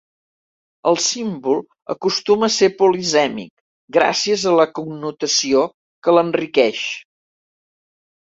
El símbol acostuma a ser polisèmic gràcies a la connotació, que l'enriqueix.